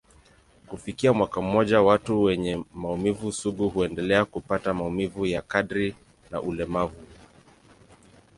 Kufikia mwaka mmoja, watu wenye maumivu sugu huendelea kupata maumivu ya kadri na ulemavu.